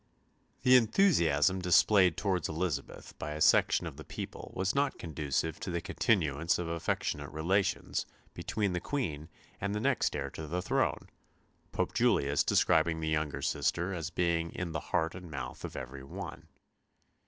The enthusiasm displayed towards Elizabeth by a section of the people was not conducive to the continuance of affectionate relations between the Queen and the next heir to the throne, Pope Julius describing the younger sister as being in the heart and mouth of every one.